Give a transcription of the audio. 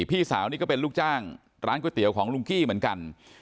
พี่สาวนี่ก็เป็นลูกจ้างร้านก๋วยเตี๋ยวของลุงกี้เหมือนกัน